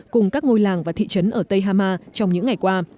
cùng các ngôi làng và thị trấn ở tây hama trong những ngày qua